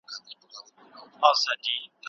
ایا ته غواړې چې تل طبیعت ته نږدې ژوند وکړې؟